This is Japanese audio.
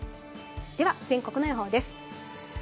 では全国の予報です。